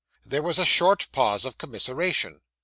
There was a short pause of commiseration.